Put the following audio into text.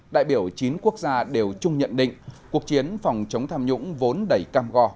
đại biểu chín quốc gia đều chung nhận định cuộc chiến phòng chống tham nhũng vốn đầy cam go